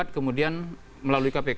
jadi meas nelajarnasinya